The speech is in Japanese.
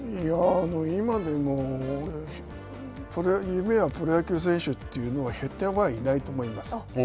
今でも夢はプロ野球選手というのは減ってはいないと思います。